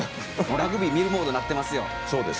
ラグビー見るモードになってます。